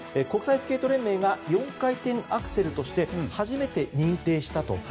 国際スケート連盟が４回転アクセルとして初めて認定したと。